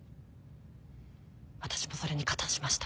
私もそれに加担しました。